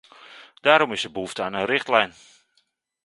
Daarom is er behoefte aan een richtlijn.